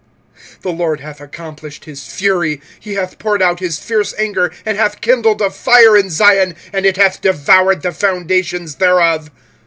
25:004:011 The LORD hath accomplished his fury; he hath poured out his fierce anger, and hath kindled a fire in Zion, and it hath devoured the foundations thereof.